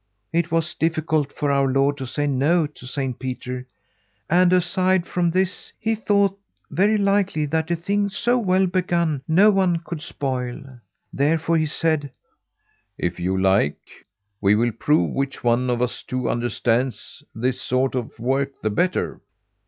It was difficult for our Lord to say no to Saint Peter, and aside from this, he thought very likely that a thing so well begun no one could spoil. Therefore he said: If you like, we will prove which one of us two understands this sort of work the better.